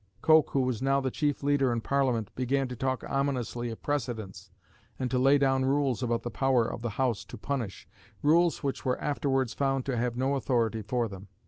Coke, who was now the chief leader in Parliament, began to talk ominously of precedents, and to lay down rules about the power of the House to punish rules which were afterwards found to have no authority for them.